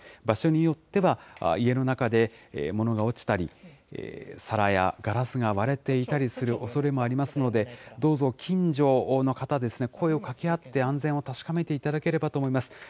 場所によっては家の中でものが落ちたり、皿やガラスが割れていたりするおそれもありますので、どうぞ近所の方ですね、声をかけ合って、安全を確かめていただければと思います。